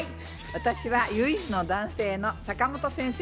私は唯一の男性の坂本先生